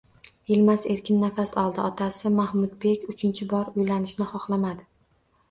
Yilmaz erkin nafas oldi, Otasi Mahmudbek uchinchi bor uylanishni xohlamadi.